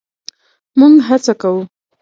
مونږ هڅه کوو